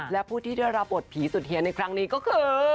และผู้ที่ได้รับบทผีสุดเฮียในครั้งนี้ก็คือ